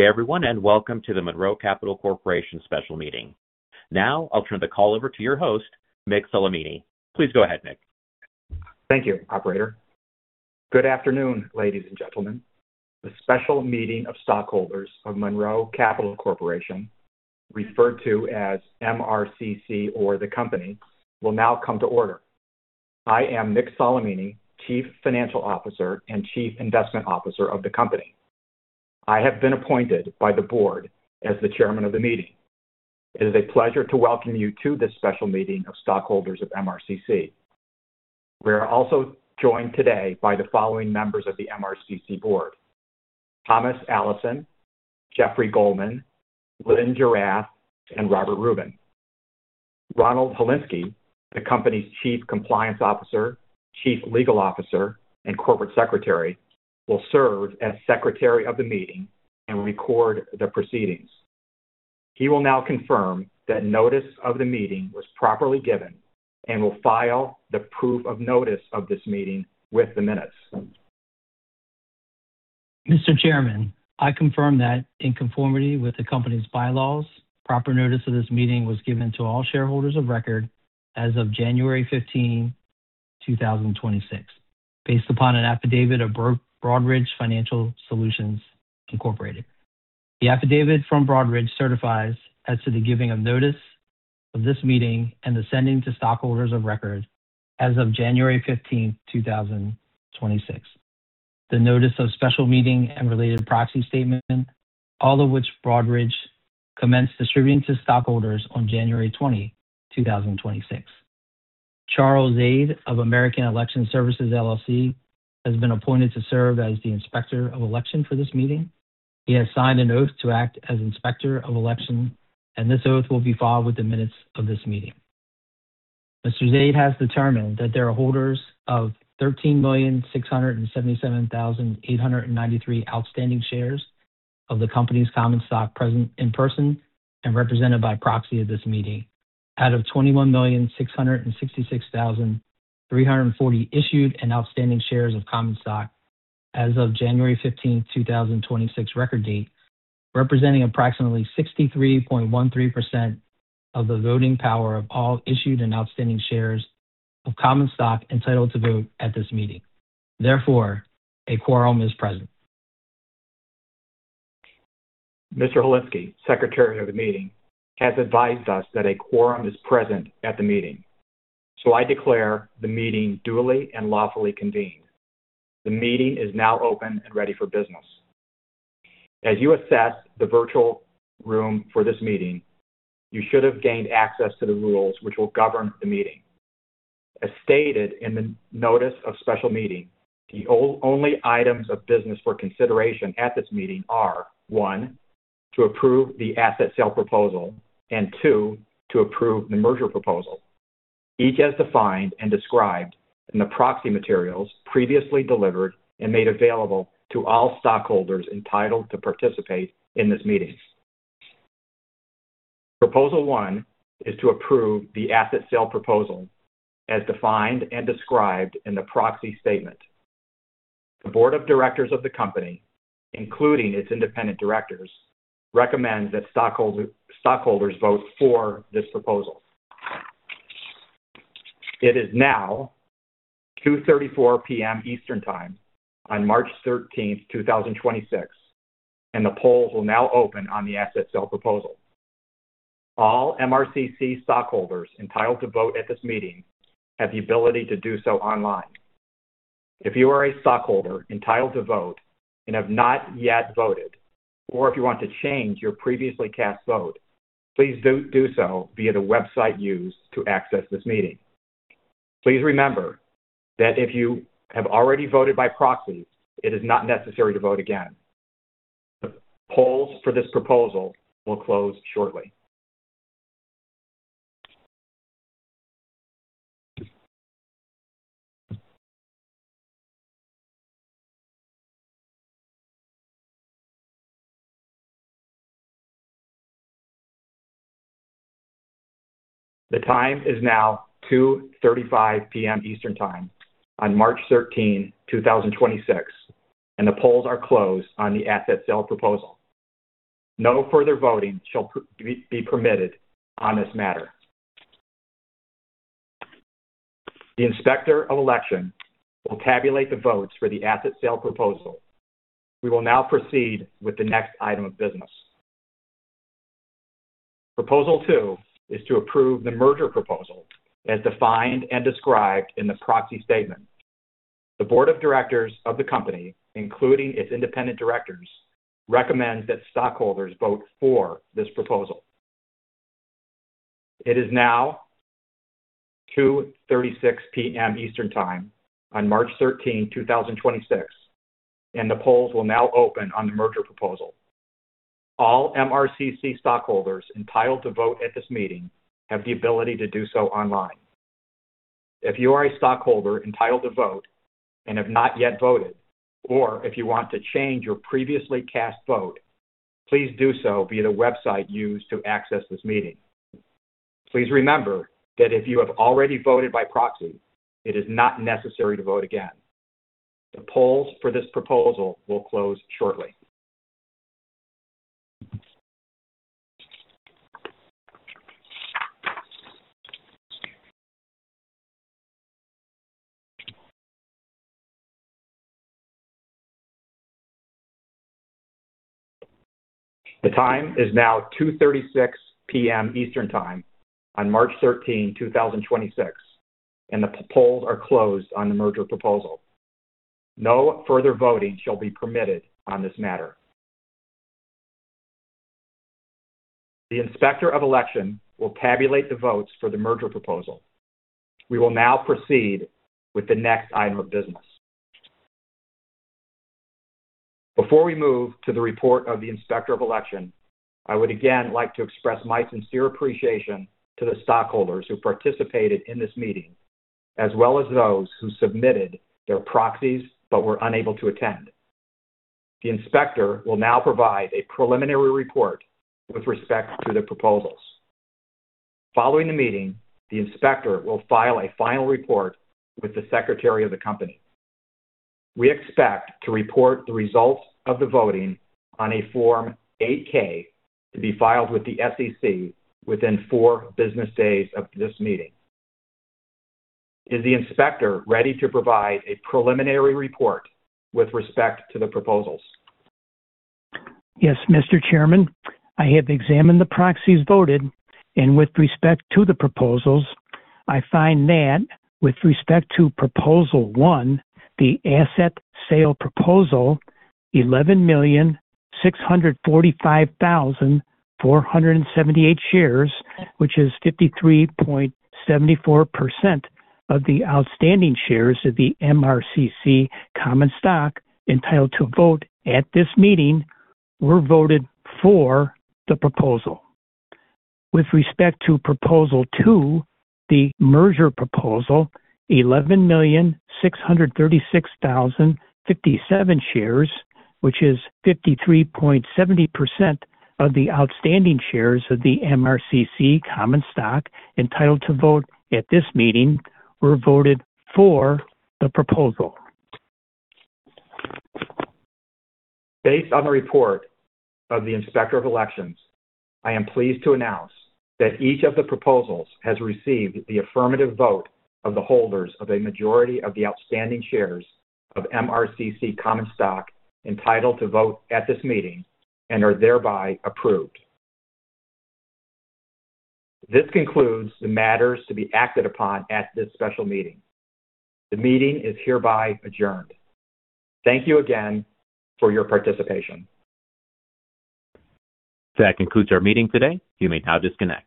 Good day everyone, and welcome to the Monroe Capital Corporation special meeting. Now I'll turn the call over to your host, Mick Solimene. Please go ahead, Mick. Thank you, operator. Good afternoon, ladies and gentlemen. The special meeting of stockholders of Monroe Capital Corporation, referred to as MRCC or the company, will now come to order. I am Mick Solimene, Chief Financial Officer and Chief Investment Officer of the company. I have been appointed by the board as the chairman of the meeting. It is a pleasure to welcome you to this special meeting of stockholders of MRCC. We are also joined today by the following members of the MRCC board: Thomas Allison, Jeffrey A. Golman, Lynn J. Jerath, and Robert S. Rubin. Ronald A. Holinsky, the company's chief compliance officer, chief legal officer, and corporate secretary, will serve as secretary of the meeting and record the proceedings. He will now confirm that notice of the meeting was properly given and will file the proof of notice of this meeting with the minutes. Mr. Chairman, I confirm that in conformity with the company's bylaws, proper notice of this meeting was given to all shareholders of record as of January 15th, 2026, based upon an affidavit of Broadridge Financial Solutions, Inc. The affidavit from Broadridge certifies as to the giving of notice of this meeting and the sending to stockholders of record as of January 15th, 2026. The notice of special meeting and related proxy statement, all of which Broadridge commenced distributing to stockholders on January 20th, 2026. Charles Zaid of American Election Services, LLC, has been appointed to serve as the inspector of election for this meeting. He has signed an oath to act as inspector of election, and this oath will be filed with the minutes of this meeting. Mr. Zaid has determined that there are holders of 13,677,893 outstanding shares of the company's common stock present in person and represented by proxy at this meeting out of 21,666,340 issued and outstanding shares of common stock as of January fifteenth, 2026 record date, representing approximately 63.13% of the voting power of all issued and outstanding shares of common stock entitled to vote at this meeting. Therefore, a quorum is present. Mr. Holinsky, secretary of the meeting, has advised us that a quorum is present at the meeting, so I declare the meeting duly and lawfully convened. The meeting is now open and ready for business. As you assess the virtual room for this meeting, you should have gained access to the rules which will govern the meeting. As stated in the notice of special meeting, the only items of business for consideration at this meeting are, one, to approve the asset sale proposal, and two, to approve the merger proposal, each as defined and described in the proxy materials previously delivered and made available to all stockholders entitled to participate in this meeting. Proposal one is to approve the asset sale proposal as defined and described in the proxy statement. The board of directors of the company, including its independent directors, recommends that stockholders vote for this proposal. It is now 2:34 PM Eastern time on March 13th, 2026, and the polls will now open on the asset sale proposal. All MRCC stockholders entitled to vote at this meeting have the ability to do so online. If you are a stockholder entitled to vote and have not yet voted, or if you want to change your previously cast vote, please do so via the website used to access this meeting. Please remember that if you have already voted by proxy, it is not necessary to vote again. The polls for this proposal will close shortly. The time is now 2:35 PM Eastern time on March 13th, 2026, and the polls are closed on the asset sale proposal. No further voting shall be permitted on this matter. The inspector of election will tabulate the votes for the asset sale proposal. We will now proceed with the next item of business. Proposal 2 is to approve the merger proposal as defined and described in the proxy statement. The board of directors of the company, including its independent directors, recommends that stockholders vote for this proposal. It is now 2:36 P.M. Eastern time on March thirteen, two thousand and twenty-six, and the polls will now open on the merger proposal. All MRCC stockholders entitled to vote at this meeting have the ability to do so online. If you are a stockholder entitled to vote and have not yet voted, or if you want to change your previously cast vote, please do so via the website used to access this meeting. Please remember that if you have already voted by proxy, it is not necessary to vote again. The polls for this proposal will close shortly. The time is now 2:36 PM Eastern Time on March 13th, 2026, and the polls are closed on the merger proposal. No further voting shall be permitted on this matter. The inspector of election will tabulate the votes for the merger proposal. We will now proceed with the next item of business. Before we move to the report of the inspector of election, I would again like to express my sincere appreciation to the stockholders who participated in this meeting, as well as those who submitted their proxies but were unable to attend. The inspector will now provide a preliminary report with respect to the proposals. Following the meeting, the inspector will file a final report with the Secretary of the company. We expect to report the results of the voting on a Form 8-K to be filed with the SEC within four business days of this meeting. Is the inspector ready to provide a preliminary report with respect to the proposals? Yes, Mr. Chairman. I have examined the proxies voted and with respect to the proposals, I find that with respect to proposal one, the asset sale proposal, 11,645,478 shares, which is 53.74% of the outstanding shares of the MRCC common stock entitled to vote at this meeting, were voted for the proposal. With respect to proposal two, the merger proposal, 11,636,057 shares, which is 53.70% of the outstanding shares of the MRCC common stock entitled to vote at this meeting, were voted for the proposal. Based on the report of the Inspector of Election, I am pleased to announce that each of the proposals has received the affirmative vote of the holders of a majority of the outstanding shares of MRCC common stock entitled to vote at this meeting and are thereby approved. This concludes the matters to be acted upon at this special meeting. The meeting is hereby adjourned. Thank you again for your participation. That concludes our meeting today. You may now disconnect.